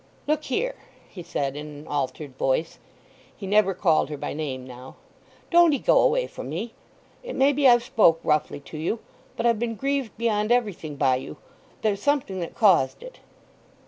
"Look here," he said, in an altered voice—he never called her by name now—"don't 'ee go away from me. It may be I've spoke roughly to you—but I've been grieved beyond everything by you—there's something that caused it."